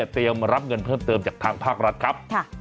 เตรียมรับเงินเพิ่มเติมจากทางภาครัฐครับ